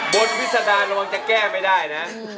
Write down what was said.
บนวิทยาศาสตร์ระวังจะแก้ไม่ได้นะ